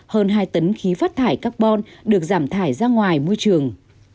hơn hai tấn khí phát thải carbon được giảm thải ra ngoài môi trường